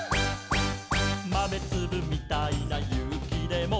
「まめつぶみたいなゆうきでも」